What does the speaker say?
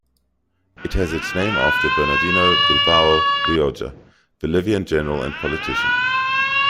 It has its name after Bernardino Bilbao Rioja, Bolivian general and politician.